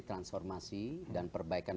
transformasi dan perbaikan